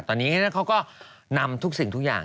ตอนนี้เขาก็นำทุกสิ่งทุกอย่าง